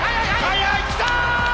速いきた！